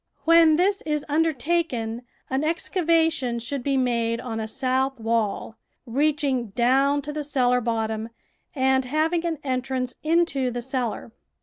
When this is undertaken, an excava tion should be made on a south wall, reaching down to the cellar bottom and having an entrance THE VEGETABLE GARDEN into the cellar.